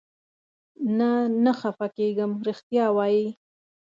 نه، نه خفه کېږم، رښتیا وایې؟